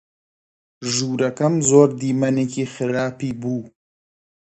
ژوورەکەم زۆر دیمەنێکی خراپی بوو.